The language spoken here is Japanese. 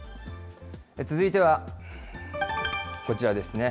続いてはこちらですね。